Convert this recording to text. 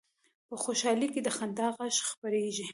په خوشحالۍ کې د خندا غږ خپرېږي